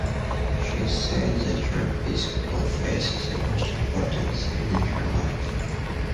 She said that her Episcopal faith is the most important thing in her life.